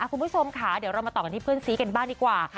คุณผู้ชมค่ะเดี๋ยวเรามาต่อกันที่เพื่อนซีกันบ้างดีกว่า